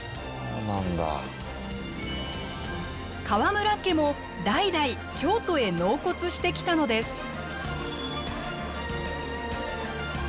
河村家も代々京都へ納骨してきたのです。